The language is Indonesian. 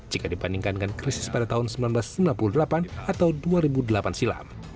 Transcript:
jika dibandingkan dengan krisis pada tahun seribu sembilan ratus sembilan puluh delapan atau dua ribu delapan silam